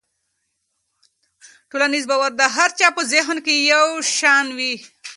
ټولنیز باور د هر چا په ذهن کې یو شان نه وي.